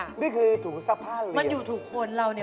นี่คือถูซักผ้าเลยมันอยู่ถูกคนเราเนี่ย